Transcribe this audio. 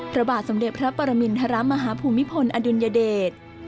พระบาทสมเด็จพระปรมินทรมาฮภูมิพลอดุลยเดช